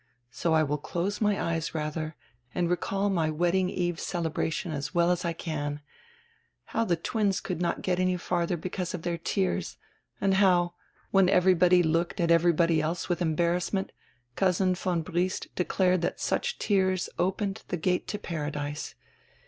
So I will close my eyes, radier, and recall my wedding eve celebration as well as I can — how the twins could not get any fartiier because of their tears, and how, when everybody looked at everybody else with embarrassment, Cousin von Briest declared diat such tears opened die gate to Paradise.